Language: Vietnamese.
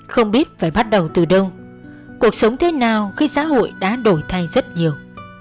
không biết phải bắt đầu từ đâu cuộc sống thế nào khi xã hội đã đổi thay rất nhiều